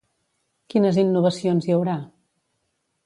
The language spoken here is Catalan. Quines innovacions hi haurà?